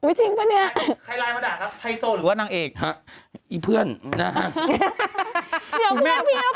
เอ้ยจริงปะเนี่ย